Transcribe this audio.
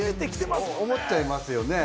思っちゃいますよね。